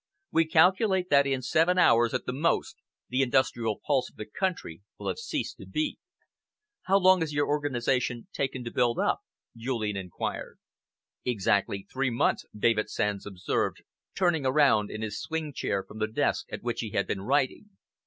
We calculate that in seven hours, at the most, the industrial pulse of the country will have ceased to beat." "How long has your organisation taken to build up?" Julian enquired. "Exactly three months," David Sands observed, turning around in his swing chair from the desk at which he had been writing.